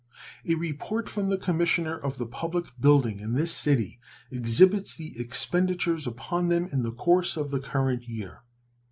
A report from the commissioner of the public buildings in this city exhibits the expenditures upon them in the course of the current year.